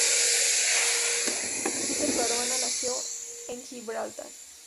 Peter Caruana nació en Gibraltar.